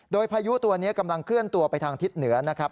โดยพายุตัวนี้กำลังเคลื่อนตัวไปทางทิศเหนือนะครับ